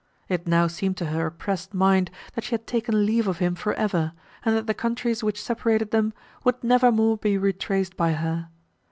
It now seemed to her oppressed mind, that she had taken leave of him for ever, and that the countries, which separated them, would never more be retraced by her.